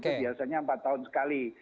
itu biasanya empat tahun sekali